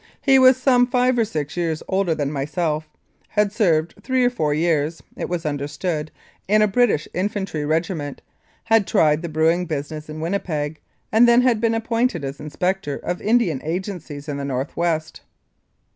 He was some five or six years older than myself; had served three or four years (it was understood) in a British infantry regiment; had tried the brewing business in Winnipeg, and then had been appointed an Inspector of Indian Agencies in the North West.